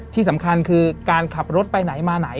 ที่สำคัญคือการขับรถไปไหนมาไหน